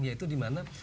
ya itu dimana